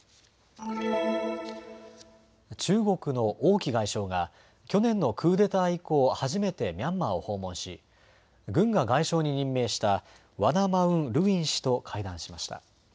中国の王毅外相が去年のクーデター以降、初めてミャンマーを訪問し軍が外相に任命したワナ・マウン・ルウィン氏と会談しました。